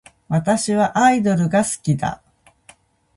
私はアイドルが好きだ